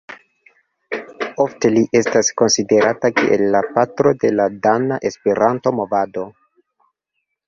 Ofte li estas konsiderata kiel "la patro de la dana Esperanto-movado".